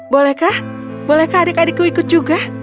bolehkah bolehkah adik adikku ikut juga